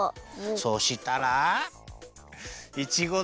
そしたらいちごだ！